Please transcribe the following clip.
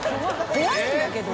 怖いんだけど。